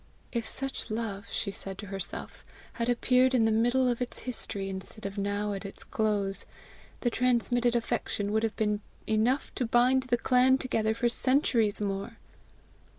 "If such love," she said to herself, "had appeared in the middle of its history instead of now at its close, the transmitted affection would have been enough to bind the clan together for centuries more!"